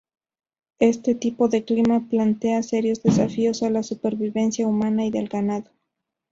Ese tipo de clima plantea serios desafíos a la supervivencia humana y del ganado.